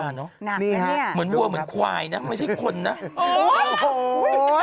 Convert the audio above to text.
นี่ครับเดี๋ยวหว่าเหมือนควายนะไม่ใช่คนนะโอ้โฮ